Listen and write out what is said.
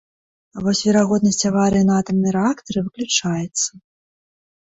А вось верагоднасць аварыі на атамным рэактары выключаецца.